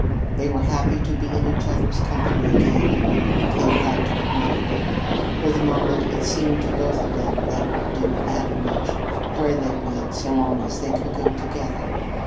They were happy to be in each other's company again. Kate had to admit it. For the moment it seemed to both of them that it didn't matter much where they went so long as they could go together.